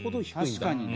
確かにね。